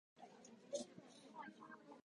日本の農業は今、大きな転換点を迎えています。